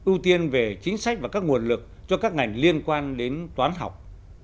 ưu tiên về chính sách và các nguồn lực cho các ngành liên quan đến toán học